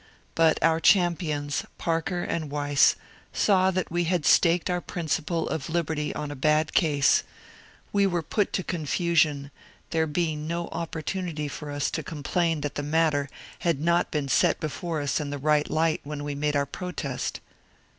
But our champions, Parker and Weiss, saw that we had staked our principle of liberty on a bad case ; we were put to confusion, there being no opportu nity for us to complain that the matter had not been set before us in the right light when we made our protest.